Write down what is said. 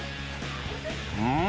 うん！